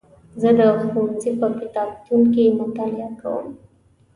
زه د ښوونځي په کتابتون کې مطالعه کوم.